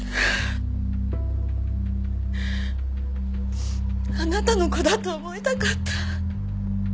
あなたの子だと思いたかった。